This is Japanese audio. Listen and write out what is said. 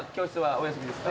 お休みです。